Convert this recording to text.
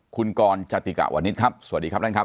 คุณกรจติกะวนิษฐ์ครับสวัสดีครับท่านครับ